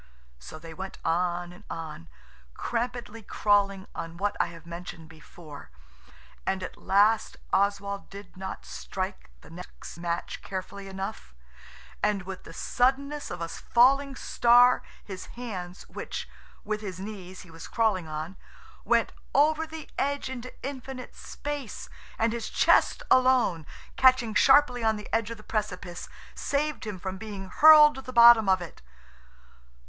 So they went on and on, crampedly crawling on what I have mentioned before, and at last Oswald did not strike the next match carefully enough, and with the suddenness of a falling star his hands, which, with his knees, he was crawling on, went over the edge into infinite space, and his chest alone, catching sharply on the edge of the precipice, saved him from being hurled to the bottom of it.